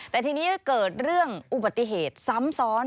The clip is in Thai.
แต่ทีนี้เกิดเรื่องอุบัติเหตุซ้ำซ้อน